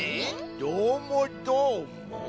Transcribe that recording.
どーもどーも？